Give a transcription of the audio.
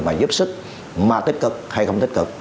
mà giúp sức mà tích cực hay không tích cực